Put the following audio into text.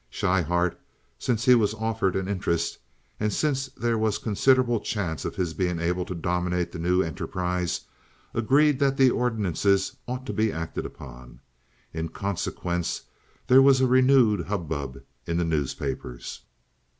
Schryhart, since he was offered an interest, and since there was considerable chance of his being able to dominate the new enterprise, agreed that the ordinances ought to be acted upon. In consequence there was a renewed hubbub in the newspapers.